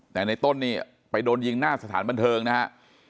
แต่ในต้นนี่ไปโดนยิงหน้าสถานบันเทิงนะฮะ